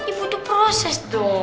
ibu itu proses dong